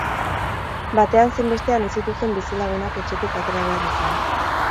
Batean zein bestean ez zituzten bizilagunak etxetik atera behar izan.